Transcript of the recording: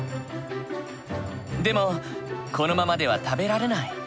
でもこのままでは食べられない。